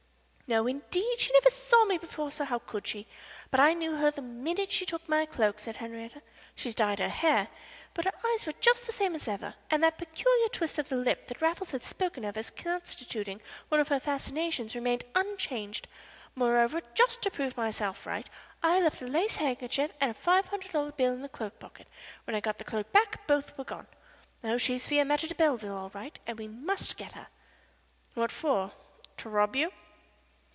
"No, indeed she never saw me before, so how could she? But I knew her the minute she took my cloak," said Henriette. "She's dyed her hair, but her eyes were the same as ever, and that peculiar twist of the lip that Raffles had spoken of as constituting one of her fascinations remained unchanged. Moreover, just to prove myself right, I left my lace handkerchief and a five hundred dollar bill in the cloak pocket. When I got the cloak back both were gone. Oh, she's Fiametta de Belleville all right, and we must get her." "What for to rob you?"